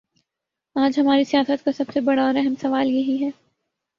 آج ہماری سیاست کا سب سے بڑا اور اہم سوال یہی ہے؟